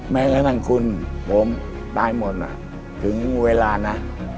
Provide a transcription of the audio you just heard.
แม้กระทั่งคุณผมตายหมดถึงเวลานะ